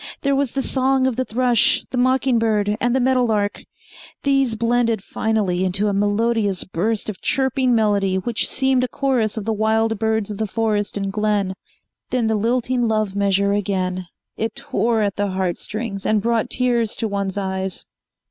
There was the song of the thrush, the mocking bird and the meadow lark. These blended finally into a melodious burst of chirping melody which seemed a chorus of the wild birds of the forest and glen. Then the lilting love measure again. It tore at the heart strings, and brought tears to one's eyes.